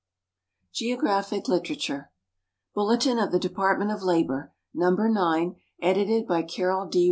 GEOGRAPHIC LITERATURE Bulletin of the Department of Labor. No. 9. Edited by Carroll D.